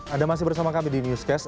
anda masih bersama kami di newscast